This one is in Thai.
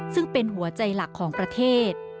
ซึ่งเป็นหัวใจหลักของประเทศ